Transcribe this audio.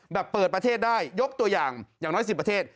เปิดประเทศได้ยกตัวอย่างอย่างน้อย๑๐ประเทศ